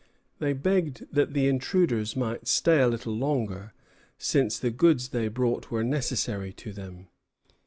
They begged that the intruders might stay a little longer, since the goods they brought were necessary to them.